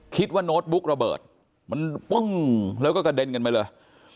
โน้ตบุ๊กระเบิดมันปึ้งแล้วก็กระเด็นกันไปเลย